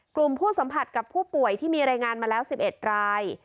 กลุ่มผู้สัมผัสกับผู้ป่วยที่มีรายงานมาแล้ว๑๑ราย